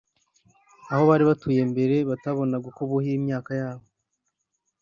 aho bari batuye mbere batabonaga uko buhira imyaka yabo